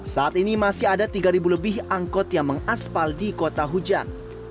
saat ini masih ada tiga lebih angkot yang mengaspal di kota hujan